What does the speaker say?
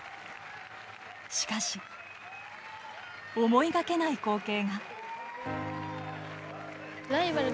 しかし、思いがけない光景が。